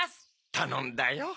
たのんだよ。